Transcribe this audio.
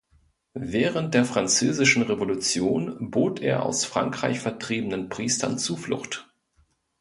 Während der Französischen Revolution bot er aus Frankreich vertriebenen Priestern Zuflucht.